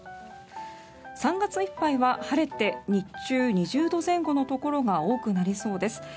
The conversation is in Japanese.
３月いっぱいは晴れて日中２０度前後のところが多くなりそうです。